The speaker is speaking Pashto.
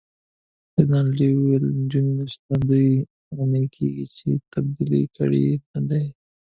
رینالډي وویل: نجونې نشته، دوې اونۍ کیږي چي تبدیلي کړي يې نه دي.